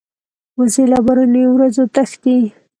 وزې له باراني ورځو تښتي